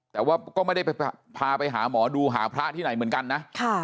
แต่ว่าก็ไม่ได้ไปพาไปหาหมอดูหาพระที่ไหนเหมือนกันนะ